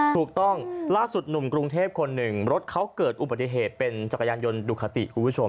ถูกต้องล่าสุดหนุ่มกรุงเทพคนหนึ่งรถเขาเกิดอุบัติเหตุเป็นจักรยานยนต์ดูคาติคุณผู้ชม